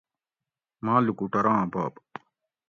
ماں لُوکوٹوراں بوب